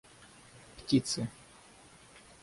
птицы